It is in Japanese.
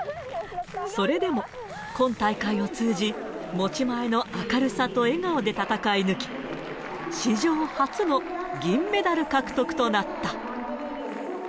それでも、今大会を通じ、持ち前の明るさと笑顔で戦い抜き、史上初の銀メダル獲得となった。